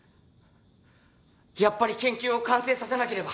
やっぱり研究を完成させなければ。